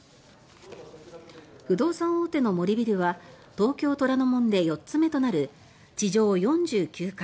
不動産大手の森ビルは東京・虎ノ門で４つ目となる地上４９階